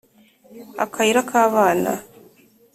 Akayira k'abana